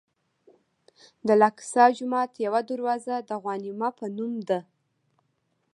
د الاقصی جومات یوه دروازه د غوانمه په نوم ده.